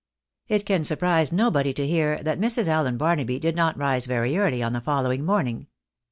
It can surprise nobody to hear that Mrs. Allen Barnaby did not rise very early on the following morning.